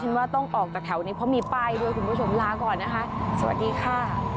ว่าต้องออกจากแถวนี้เพราะมีป้ายด้วยคุณผู้ชมลาก่อนนะคะสวัสดีค่ะ